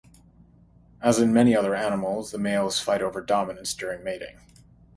As in many other animals, the males fight over dominance during mating.